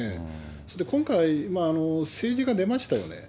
それで今回、政治が出ましたよね。